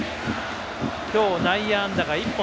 今日、内野安打１本。